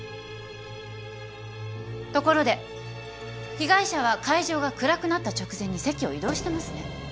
ところで被害者は会場が暗くなった直前に席を移動してますね。